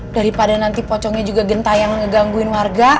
daripada nanti pocongnya juga gentah yang ngegangguin warga